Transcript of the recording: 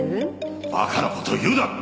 バカな事を言うな！